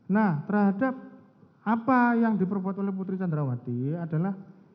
nah terhadap apa yang diperbuat oleh putri candrawati adalah